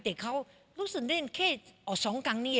แต่เขารู้สึกเล่นแค่ออก๒ครั้งนี้